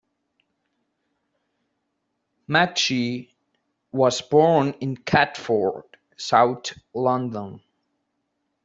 McShee was born in Catford, South London.